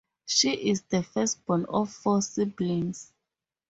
She is the firstborn of four siblings.